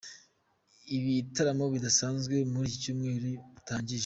Ibitaramo bidasanzwe mur’ ikicyumweru dutandiye